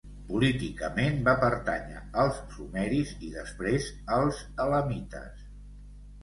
Políticament, va pertànyer als sumeris i després als elamites.